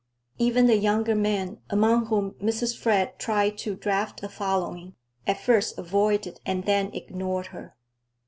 Even the younger men, among whom Mrs. Fred tried to draft a following, at first avoided and then ignored her.